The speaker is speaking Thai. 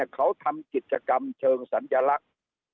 เขาทำกิจกรรมเชิงสัญลักษณ์